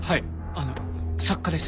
あの作家です。